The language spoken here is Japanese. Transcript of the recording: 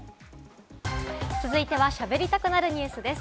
続いては、しゃべりたくなるニュスです。